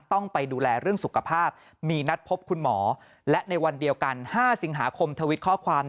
ต้องไปดูแลเรื่องสุขภาพมีนัดพบคุณหมอและในวันเดียวกัน๕สิงหาคมทวิตข้อความ